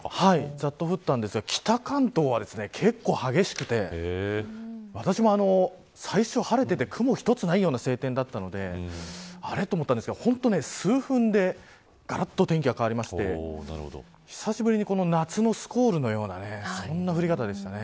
北関東は結構激しくて私も、最初晴れてて雲一つないような晴天だったのであれっと思ったんですが数分でがらっと天気が変わりまして久しぶりに夏のスコールのようなそんな降り方でした。